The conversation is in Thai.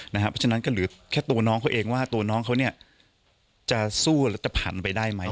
เพราะฉะนั้นก็เหลือแค่ตัวน้องเขาเองว่าตัวน้องเขาจะสู้แล้วจะผ่านไปได้ไหม